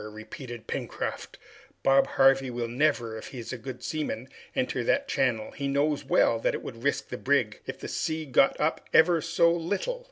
repeated Pencroft, "Bob Harvey will never, if he is a good seaman, enter that channel! He knows well that it would risk the brig, if the sea got up ever so little!